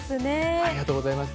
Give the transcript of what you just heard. ありがとうございます。